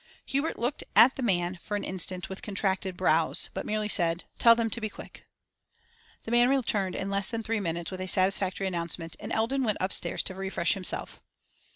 Hubert looked at the man for an instant with contracted brows, but merely said 'Tell them to be quick.' The man returned in less than three minutes with a satisfactory announcement, and Eldon went upstairs to refresh himself.